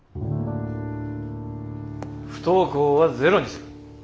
不登校はゼロにする。